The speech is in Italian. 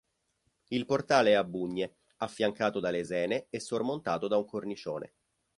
Il portale è a bugne, affiancato da lesene e sormontato da un cornicione.